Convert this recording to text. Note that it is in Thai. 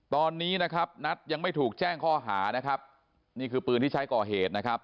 ตอนนี้นัทยังไม่ถูกแจ้งข้อหานี่คือปืนที่ใช้ก่อเหตุ